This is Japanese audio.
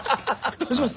どうします？